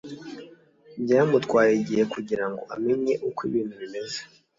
Byamutwaye igihe kugirango amenye uko ibintu bimeze.